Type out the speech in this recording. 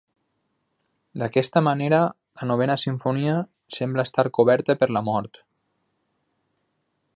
D'aquesta manera, la novena simfonia sembla estar coberta per la mort.